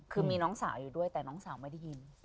คือมีน้องสาวอยู่ด้วยแต่น้องสาวไม่ได้ยิน